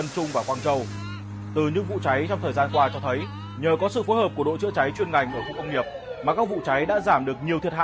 từ năm hai nghìn hai mươi đến nay đội chứa cháy chuyên ngành khu công nghiệp vân trung